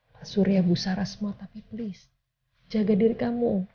pak surya bu sarah semua tapi tolong jaga diri kamu